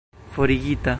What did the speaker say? forigita